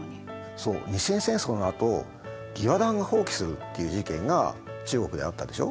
そう日清戦争のあと義和団が蜂起するっていう事件が中国であったでしょ？